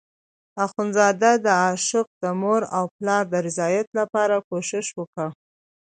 اخندزاده د عاشق د مور او پلار د رضایت لپاره کوشش وکړ.